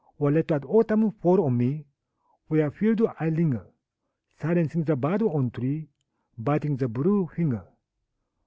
Or let autumn fall on me Where afield I linger, Silencing the bird on tree, Biting the blue finger.